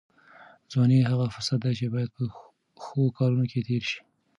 ځواني هغه فرصت دی چې باید په ښو کارونو کې تېر شي.